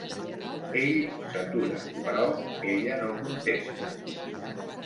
Ell s'atura, però ella no contesta.